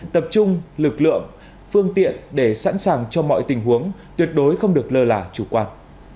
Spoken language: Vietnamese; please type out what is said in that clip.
tập trung lực lượng phương tiện để sẵn sàng cho mọi tình huống tuyệt đối không được lơ là chủ quan